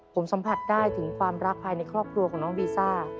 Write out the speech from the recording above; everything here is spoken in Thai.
ผมสัมผัสได้ถึงความรักภายในครอบครัวของน้องวีซ่า